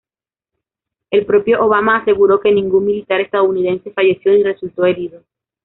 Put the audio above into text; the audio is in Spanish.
El propio Obama aseguró que ningún militar estadounidense falleció ni resultó herido.